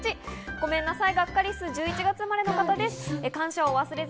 ごめんなさい、ガッカりす、１１月生まれの方です。